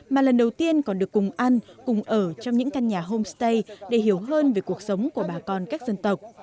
mà lần đầu tiên còn được cùng ăn cùng ở trong những căn nhà homestay để hiểu hơn về cuộc sống của bà con các dân tộc